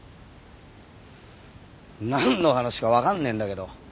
なんの話かわかんねえんだけど。